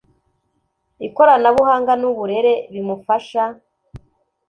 ikoranabuhanga n uburere bimufasha